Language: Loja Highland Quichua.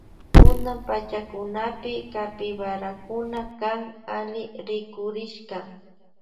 Kunan pachakunapi capibarakuna kan alli rikurishka.